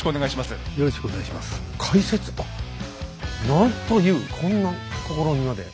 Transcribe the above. なんというこんな試みまで。